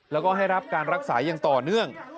แล้วก็ให้รับการรักษาอย่างต่อเนื่อง